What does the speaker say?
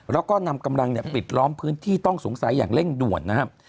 แล้วก็นำกำลังปิดล้อมพื้นที่ต้องสงสัยอย่างเร่งด่วนนะครับ